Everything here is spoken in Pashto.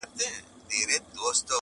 اوس یې خلګ پر دې نه دي چي حرام دي,